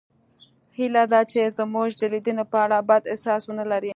هیله ده چې زموږ د لیدنې په اړه بد احساس ونلرئ